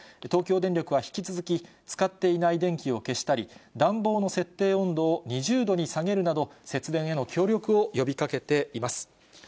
東京電力は引き続き使っていない電気を消したり、暖房の設定温度を２０度に下げるなど、節電への協力を呼びかけています。